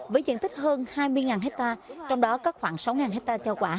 với diện tích hơn hai mươi hectare trong đó có khoảng sáu hectare trao quả